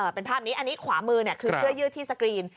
เป็นภาพนี้อันนี้ขวามือคือเสื้อยืดที่สกรีน